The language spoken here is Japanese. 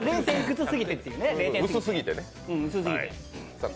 薄すぎてね。